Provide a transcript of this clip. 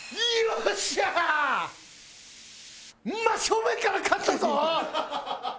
真正面から勝ったぞ！